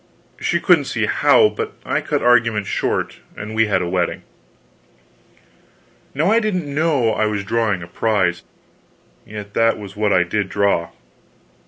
She couldn't see how, but I cut argument short and we had a wedding. Now I didn't know I was drawing a prize, yet that was what I did draw.